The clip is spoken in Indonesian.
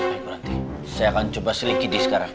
baik buranti saya akan coba selingkidi sekarang